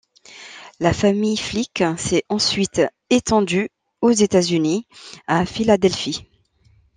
La famille Flick s'est ensuite étendue aux États-Unis, à Philadelphie.